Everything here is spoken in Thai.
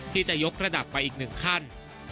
ที่จะยกระดับไปอีก๑ขั้น